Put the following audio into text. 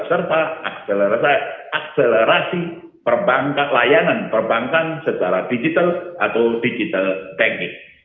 serta akselerasi layanan perbankan secara digital atau digital teknis